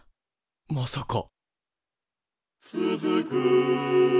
まさか。